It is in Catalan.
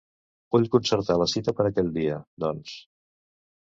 Vull concertar la cita per aquell dia, doncs.